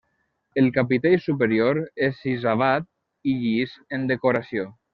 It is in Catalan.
El capitell superior és sisavat i llis en decoració.